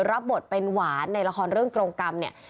รับบทเป็นหวานในละครเรื่องกรงกรรมเนี่ย